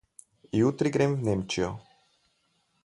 Jutri grem v Nemčijo.